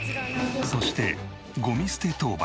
そしてゴミ捨て当番。